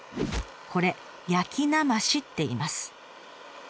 これ「焼きなまし」っていいます。